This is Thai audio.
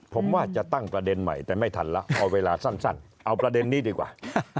ผมว่าจะตั้งประเด็นใหม่แต่ไม่ทันแล้วเอาเวลาสั้นเอาประเด็นนี้ดีกว่า